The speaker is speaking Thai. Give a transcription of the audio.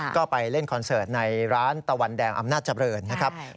ก็ไปเล่นคอนเสิร์ตในร้านตะวันแดงอำนาจเจริญนะครับ